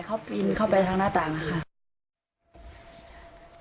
เขาปีนเข้าไปทางหน้าต่างค่ะ